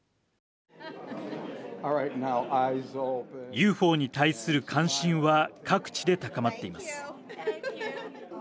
ＵＦＯに対する関心は各地で高まっています。